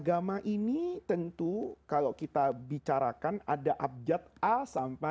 agama ini tentu kalau kita bicarakan ada agama yang berbeda dari setiap orang